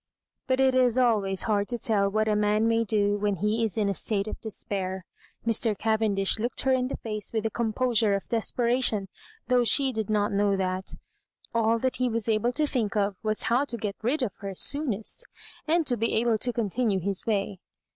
But it is always hard to tell what a man may do when he is in a state of despair. Mr. Caven dish looked her in the face with the composure of desperatioa, though she did not know that. All that he was able to think of was how to get rid of her soonest, and to be able to continue his way.